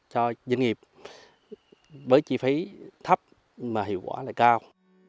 cho doanh nghiệp với chi phí thấp nhưng mà hiệu quả lại cao